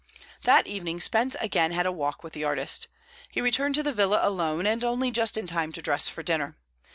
That evening Spence again had a walk with the artist. He returned to the villa alone, and only just in time to dress for dinner.